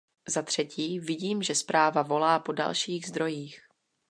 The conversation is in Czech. Za třetí, vidím, že zpráva volá po dalších zdrojích.